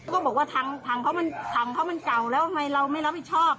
ก็บอกว่าถังเขามันเก่าแล้วทำไมเราไม่รับผิดชอบ